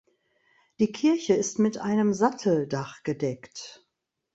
Die Kirche ist mit einem Satteldach gedeckt.